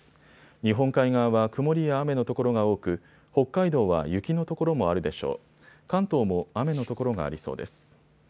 日本海側は曇りや雨の所が多く北海道は雪の所もあるでしょう。